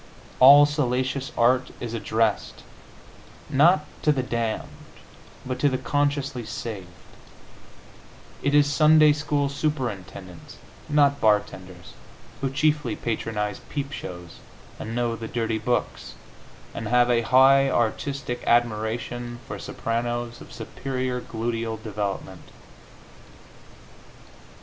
All salacious art is addressed, not to the damned, but to the consciously saved; it is Sunday school superintendents, not bartenders, who chiefly patronize peep shows, and know the dirty books, and have a high artistic admiration for sopranos of superior gluteal development.